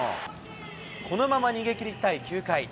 このまま逃げ切りたい９回。